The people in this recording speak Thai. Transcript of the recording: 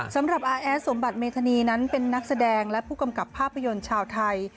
สำหรับอาแอดสมบัติเมธานีนั้นเป็นนักแสดงและผู้กำกับภาพยนตร์ชาวไทย